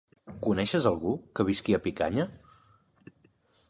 Coneixes algú que visqui a Picanya?